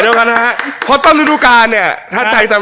เราทำกันได้ไหม